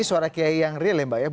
suara kiai yang real ya mbak ya